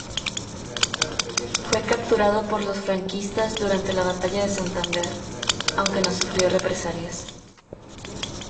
Fue capturado por los franquistas durante la batalla de Santander, aunque no sufrió represalias.